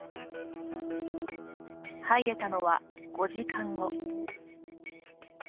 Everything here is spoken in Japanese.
入れたのは５時間後。